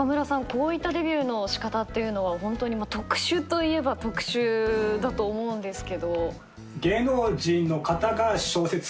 こういったデビューの仕方っていうのはホントに特殊といえば特殊だと思うんですけど。